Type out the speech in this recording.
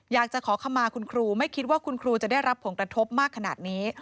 อยากจะขอคำมาคุณครูไม่คิดว่าคุณครูจะได้รับผลกระทบมากขนาดนี้